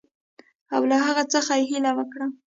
او له هغه څخه یې هیله وکړه.